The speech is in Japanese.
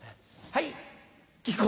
はい。